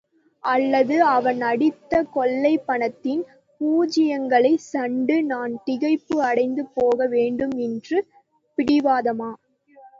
அல்லது அவன் அடித்த கொள்ளைப் பணத்தின் பூஜ்யங்களைக் சண்டு நான் திகைப்பு அடைந்து போக வேண்டும் என்ற பிடிவாதமா?